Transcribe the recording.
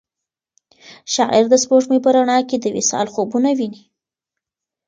شاعر د سپوږمۍ په رڼا کې د وصال خوبونه ویني.